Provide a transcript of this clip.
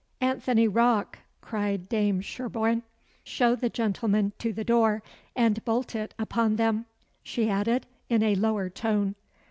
"Anthony Rocke!" cried Dame Sherborne, "show the gentlemen to the door and bolt it upon them," she added, in a lower tone.